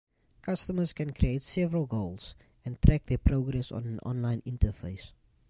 Customers can create several goals and track their progress on an online interface.